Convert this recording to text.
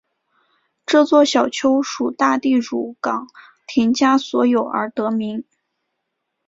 这座小丘属大地主冈田家所有而得名。